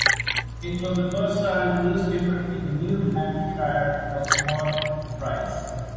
It was the first time a newspaper in New Hampshire was awarded the prize.